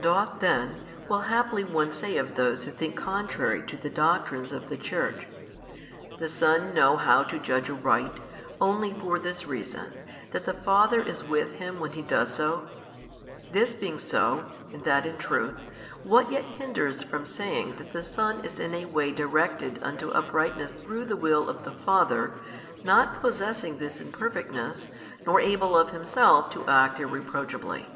"Doth then," will haply one say of those who think contrary to the doctrines of the Church, "the Son know how to judge aright, only for this reason, that the Father is with Him when He does so? This being so (and that in truth) what yet hinders from saying that the Son is in a way directed unto uprightness through the Will of the Father, not possessing this in perfectness, nor able of Himself to act irreproachably?"